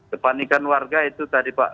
kepanikan warga itu tadi pak